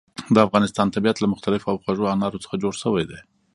د افغانستان طبیعت له مختلفو او خوږو انارو څخه جوړ شوی دی.